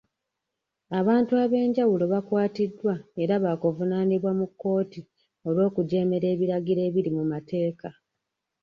Abantu abe'njawulo bakwatiddwa era baakuvunaanibwa mu kkooti olw'okujeemera ebiragiro ebiri mu mateeka.